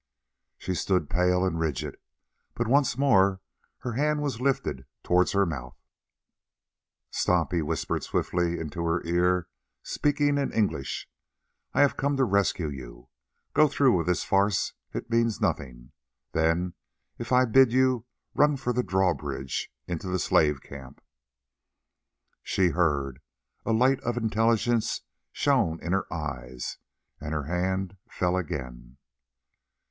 She stood pale and rigid, but once more her hand was lifted towards her mouth. "Stop," he whispered swiftly into her ear, speaking in English, "I have come to rescue you. Go through with this farce, it means nothing. Then, if I bid you, run for the drawbridge into the slave camp." She heard, a light of intelligence shone in her eyes, and her hand fell again.